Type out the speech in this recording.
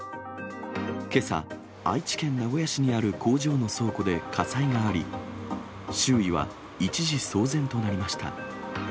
けさ、愛知県名古屋市にある工場の倉庫で火災があり、周囲は一時騒然となりました。